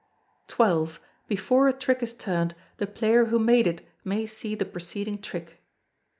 xii. Before a trick is turned, the player who made it may see the preceding trick.